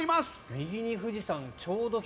右に富士山ちょうど左。